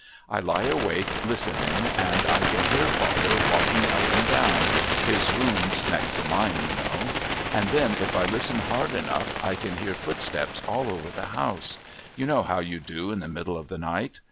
I lie awake listening, and I can hear father walking up and down, his room's next to mine, you know. And then if I listen hard enough, I can hear footsteps all over the house you know how you do in the middle of the night.